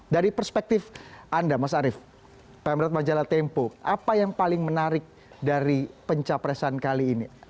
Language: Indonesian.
dari perspektif anda mas arief pemret majalah tempo apa yang paling menarik dari pencapresan kali ini